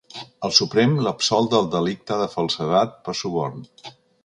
El Suprem l’absol del delicte de falsedat per suborn.